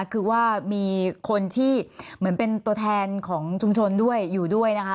คือว่ามีคนที่เหมือนเป็นตัวแทนของชุมชนด้วยอยู่ด้วยนะคะ